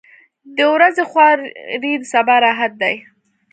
• د ورځې خواري د سبا راحت دی.